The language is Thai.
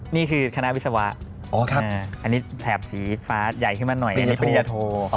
นี่คือคณะวิศวะอันนี้แถบสีฟ้าใหญ่ขึ้นมาหน่อยอันนี้ปริญญาโท